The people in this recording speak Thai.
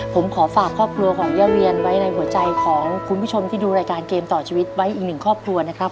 ผมขอฝากครอบครัวของย่าเวียนไว้ในหัวใจของคุณผู้ชมที่ดูรายการเกมต่อชีวิตไว้อีกหนึ่งครอบครัวนะครับ